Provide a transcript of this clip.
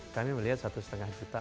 kami melihat satu lima juta